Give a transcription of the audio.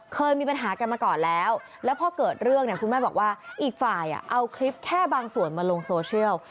เคยมีปัญหากันมาก่อนแล้วแล้วพอเกิดเรื่องเนี่ยคุณแม่บอกว่าอีกฝ่ายเอาคลิปแค่บางส่วนมาลงโซเชียล